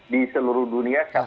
di seluruh dunia ya